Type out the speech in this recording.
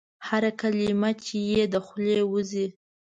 هره کلمه چي یې د خولې وزي ؟